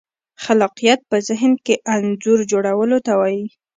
خلاقیت په ذهن کې انځور جوړولو ته وایي.